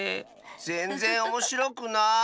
ぜんぜんおもしろくない。